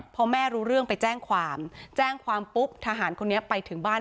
พอแม่รู้เรื่องไปแจ้งความแจ้งความปุ๊บทหารคนนี้ไปถึงบ้าน